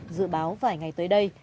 dự báo vài ngày tới đây